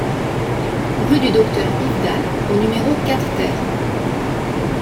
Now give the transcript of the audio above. Rue du Docteur Yves Dalle au numéro quatre TER